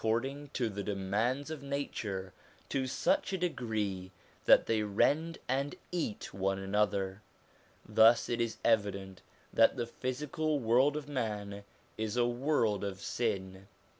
136 SOME ANSWERED QUESTIONS ing to the demands of nature to such a degree that they rend and eat one another. Thus it is evident that the physical world of man is a world of sin.